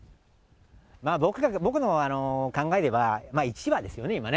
僕の考えでは、１羽ですよね、今ね。